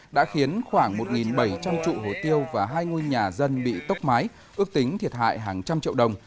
đã khiến khoảng một bảy trăm linh trụ hồ tiêu và hai ngôi nhà dân bị tốc mái ước tính thiệt hại hàng trăm triệu đồng